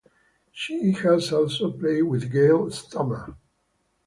She has also played with Gayle Stammer.